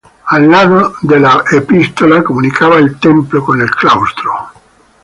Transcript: El lado de la epístola comunicaba el templo con el claustro.